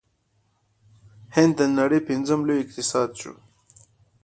هند د نړۍ پنځم لوی اقتصاد شو.